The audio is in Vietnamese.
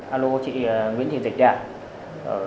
alo chị nguyễn thị dịch đấy ạ